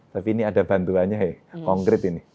tapi ini ada bantuannya konkret ini